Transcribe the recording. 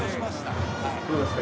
「どうですか？